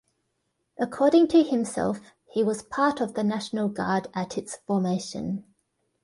According to himself, he was part of the National Guard at its formation.